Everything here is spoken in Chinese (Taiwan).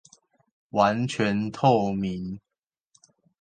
完全透明